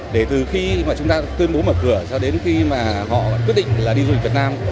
để từ khi mà chúng ta tuyên bố mở cửa cho đến khi mà họ quyết định là đi du lịch việt nam